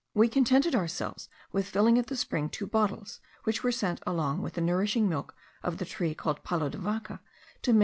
we contented ourselves with filling at the spring two bottles, which were sent, along with the nourishing milk of the tree called palo de vaca, to MM.